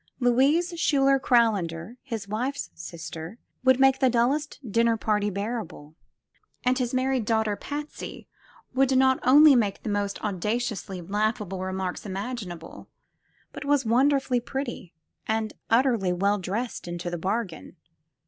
Louise Schuyler Crownlander, his wife's sister, would make the dullest dinner party bearable, and his married daughter Patsy not only made the most audaciously laughable remarks imaginable, but was wonderfully pretty and utterly well dressed into the bargain.